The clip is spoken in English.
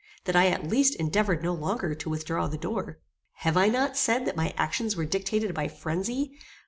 that I at least endeavoured no longer to withdraw the door? Have I not said that my actions were dictated by phrenzy?